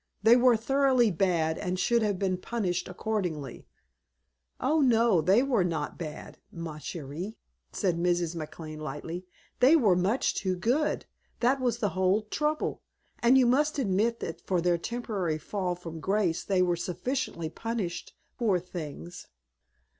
They were thoroughly bad and should have been punished accordingly." "Oh, no, they were not bad, ma chere," said Mrs. McLane lightly. "They were much too good. That was the whole trouble. And you must admit that for their temporary fall from grace they were sufficiently punished, poor things."